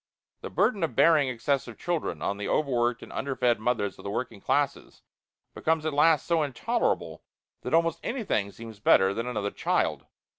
The burden of bearing excessive children on the overworked and underfed mothers of the working classes becomes at last so intolerable that almost anything seems better than another child.